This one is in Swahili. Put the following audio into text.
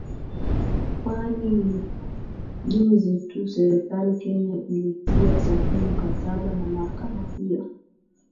kwani ni juzi tu serikali kenya ilitia sahihi mkataba na mahakama hiyo